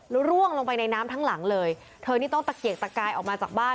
แล้วร่วงลงไปในน้ำทั้งหลังเลยเธอนี่ต้องตะเกียกตะกายออกมาจากบ้าน